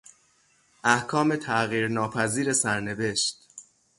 احکام تغییر ناپذیر سرنوشت